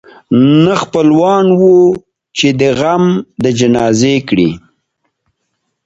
نه خپلوان وه چي دي غم د جنازې کړي